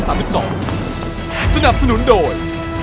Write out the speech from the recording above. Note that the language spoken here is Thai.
สนับสนุนโดย